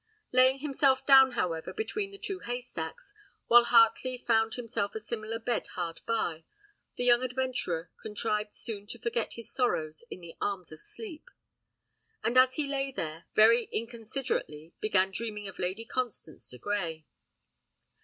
Laying himself down, however, between the two haystacks, while Heartley found himself a similar bed hard by, the young adventurer contrived soon to forget his sorrows in the arms of sleep; and as he lay there, very inconsiderately began dreaming of Lady Constance de Grey.